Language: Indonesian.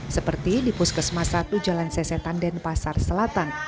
seperti di puskesmas satu jalan sesetan denpasar selatan